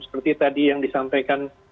seperti tadi yang disampaikan